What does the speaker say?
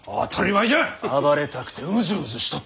暴れたくてうずうずしとったわ！